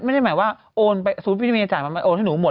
ไม่ได้ไหมว่าโ่นไปสูรสมิณีจ่ายเอาเงินเหลือหมด